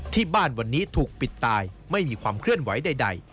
ที่บ้านวันนี้ถูกปิดตายไม่มีความเคลื่อนไหวใด